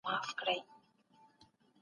استازی باید کومي زده کړي ولري؟